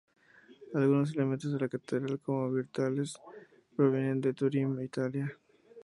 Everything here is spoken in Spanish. Algunos elementos de la catedral, como los vitrales, provienen de Turín, Italia.